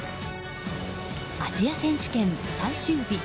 アジア選手権最終日。